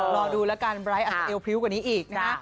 รอดูระกันไบร์ทอันดันไปอะไรกว่านี้อีก